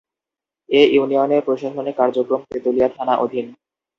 এ ইউনিয়নের প্রশাসনিক কার্যক্রম তেতুলিয়া থানা অধীন।